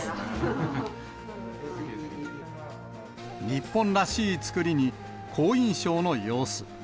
日本らしい造りに好印象の様子。